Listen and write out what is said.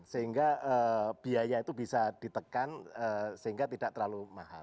sehingga biaya itu bisa ditekan sehingga tidak terlalu mahal